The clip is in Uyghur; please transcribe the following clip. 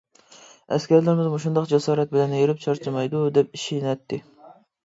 ئەسكەرلىرىمىز مۇشۇنداق جاسارەت بىلەن ھېرىپ-چارچىمايدۇ، دەپ ئىشىنەتتى.